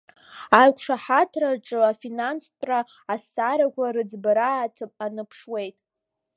Аиқәшаҳаҭра аҿы афинанстәра азҵаарақәа рыӡбара аныԥшуеит.